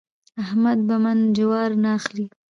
احمد په من جوارو نه اخلم.